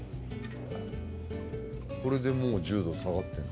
これで１０度下がっているの？